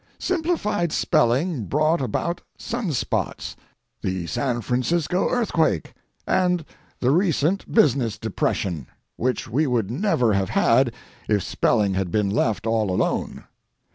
Simplified spelling brought about sun spots, the San Francisco earthquake, and the recent business depression, which we would never have had if spelling had been left all alone.